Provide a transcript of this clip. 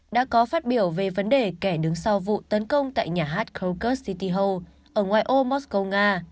đã có phát biểu về vấn đề kẻ đứng sau vụ tấn công tại nhà hát krokus city hall ở ngoài ô mosco nga